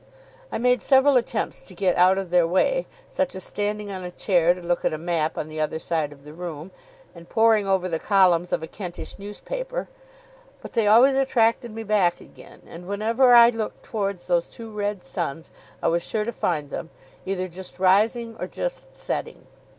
I made several attempts to get out of their way such as standing on a chair to look at a map on the other side of the room, and poring over the columns of a Kentish newspaper but they always attracted me back again; and whenever I looked towards those two red suns, I was sure to find them, either just rising or just setting.